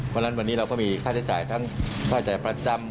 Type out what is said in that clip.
วันนั้นเวลานี้เราก็มีค่าใช้จ่ายทั้งค่าใช้จ่ายประจำ